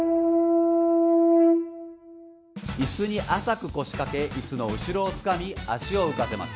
イスに浅く腰掛けイスの後ろをつかみ足を浮かせます。